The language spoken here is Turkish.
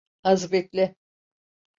Az bekle.